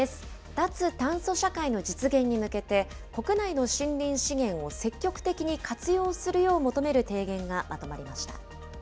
脱炭素社会の実現に向けて、国内の森林資源を積極的に活用するよう求める提言がまとまりまし